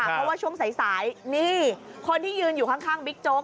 เพราะว่าช่วงสายนี่คนที่ยืนอยู่ข้างบิ๊กโจ๊ก